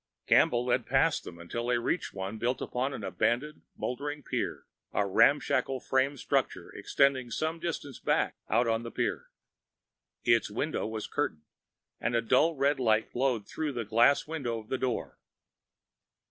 Campbell led past them until they reached one built upon an abandoned, moldering pier, a ramshackle frame structure extending some distance back out on the pier. Its window was curtained, but dull red light glowed through the glass window of the door.